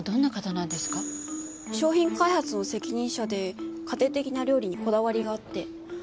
商品開発の責任者で家庭的な料理にこだわりがあって。